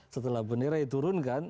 setelah bendera diturunkan